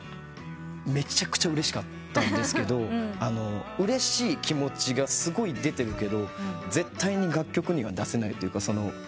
めちゃくちゃうれしかったんですけどうれしい気持ちがすごい出てるけど絶対に楽曲には出せないというか。